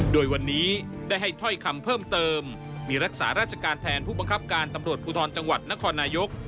โดยวันนี้ได้ให้ถ้อยคำเพิ่มเติมมีรักษาราชการแทนผู้บังคับการตำรวจภูทรจังหวัดนครนายก